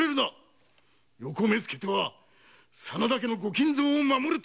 「横目付」とは真田家の御金蔵を守るためにあるのだ！